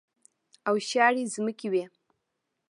او شاړې ځمکې وې.